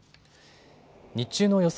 日中の予想